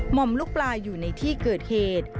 ม่อมลูกปลาอยู่ในที่เกิดเหตุ